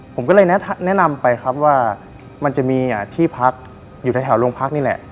ผมก็เลยแนะนำไปครับว่ามันจะมีที่พักอยู่แถวโรงพักนี่แหละ